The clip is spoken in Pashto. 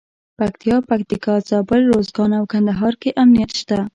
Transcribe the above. پکتیا، پکتیکا، زابل، روزګان او کندهار کې امنیت شته.